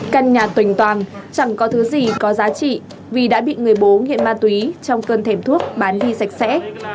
căn nhà tình toàn chẳng có thứ gì có giá trị vì đã bị người bố nghiện ma túy trong cơn thèm thuốc bán đi sạch sẽ